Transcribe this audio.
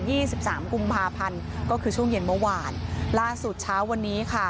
สิบสามกุมภาพันธ์ก็คือช่วงเย็นเมื่อวานล่าสุดเช้าวันนี้ค่ะ